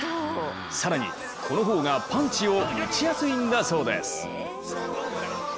更に、この方がパンチを打ちやすいんだそうです。